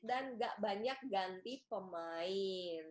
dan gak banyak ganti pemain